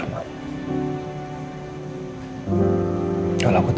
bahwa aku takut kehilangan andin